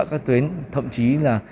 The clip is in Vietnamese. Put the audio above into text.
các tuyến thậm chí là